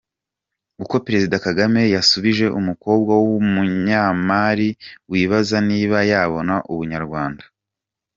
Uko Perezida Kagame yasubije umukobwa w’ Umunya Mali wibaza niba yabona Ubunyarwanda .